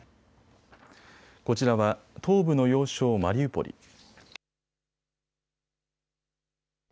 こちらは東部の要衝マリウポリ。